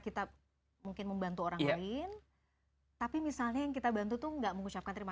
kita mungkin membantu orang lain tapi misalnya yang kita bantu tuh enggak mengucapkan terima